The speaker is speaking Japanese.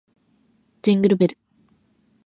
ジングルベル